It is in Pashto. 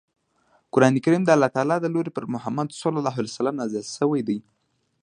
قران کریم د الله ج له لورې په محمد ص نازل شوی دی.